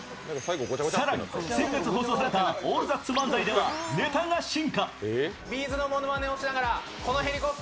更に、先月放送された「オールザッツ漫才」ではネタが進化。